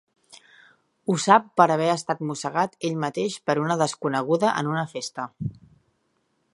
Ho sap per haver estat mossegat ell mateix per una desconeguda en una festa.